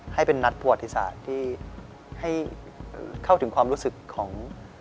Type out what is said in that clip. ให้เป็นนัดประวัติศาสตร์ที่ให้เข้าถึงความรู้สึกของ